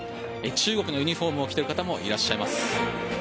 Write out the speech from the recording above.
中国のユニホームを着ている方もいらっしゃいます。